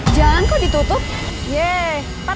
jalan kok ditutup